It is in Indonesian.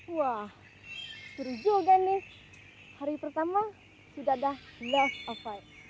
wah seru juga nih hari pertama sudah ada love office